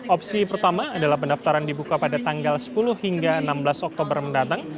opsi pertama adalah pendaftaran dibuka pada tanggal sepuluh hingga enam belas oktober mendatang